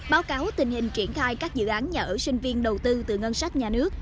báo cáo tình hình triển khai các dự án nhà ở sinh viên đầu tư từ ngân sách nhà nước